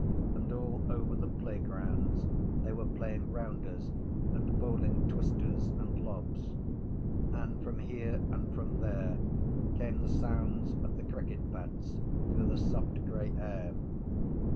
And all over the playgrounds they were playing rounders and bowling twisters and lobs. And from here and from there came the sounds of the cricket bats through the soft grey air.